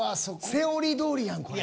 セオリーどおりやんこれ。